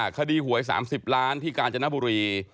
คดีหวย๓๐ล้านที่กาญจนบุรี